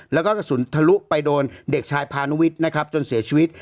แล้วก็กระสุนทะลุไปโดนเด็กชายพานุวิทย์นะครับจนเสียชีวิต